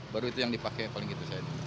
baru itu yang dipakai paling gitu saya